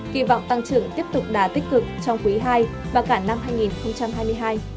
kỳ vọng tăng trưởng tiếp tục đà tích cực trong quý ii và cả năm hai nghìn hai mươi hai